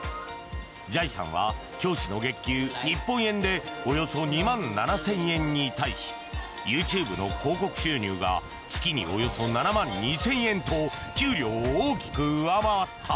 ジャイさんは教師の月給日本円でおよそ２万７０００円に対しＹｏｕＴｕｂｅの広告収入が月におよそ７万２０００円と給料を大きく上回った。